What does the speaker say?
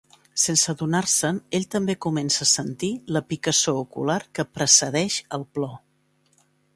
Sense adonar-se'n, ell també comença a sentir la picassor ocular que precedeix el plor.